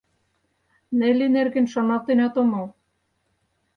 Нелли нерген шоналтенат омыл.